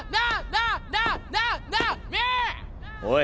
おい。